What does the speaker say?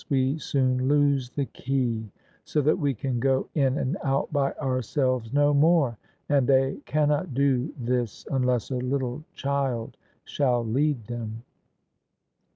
we soon lose the key, so that we can go in and out by ourselves no more. And they cannot do this unless a little child shall lead them.